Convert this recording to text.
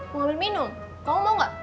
mau ambil minum kamu mau gak